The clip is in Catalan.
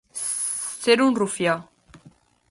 Ser un rufià.